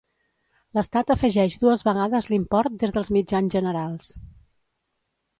L'estat afegeix dues vegades l'import des dels mitjans generals.